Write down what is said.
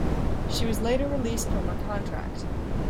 She was later released from her contract.